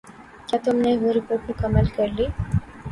کیا تم نے وہ رپورٹ مکمل کر لی؟